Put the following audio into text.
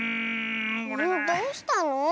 どうしたの？